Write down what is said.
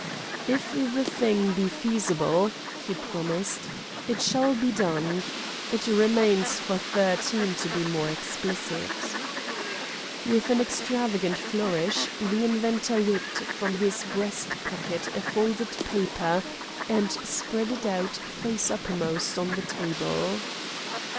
"If the thing be feasible," he promised, "it shall be done. It remains for Thirteen to be more explicit." With an extravagant flourish the inventor whipped from his breastpocket a folded paper, and spread it out face uppermost on the table.